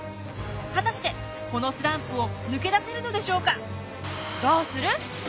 果たしてこのスランプを抜け出せるのでしょうか？